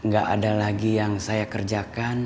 gak ada lagi yang saya kerjakan